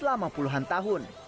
selama puluhan tahun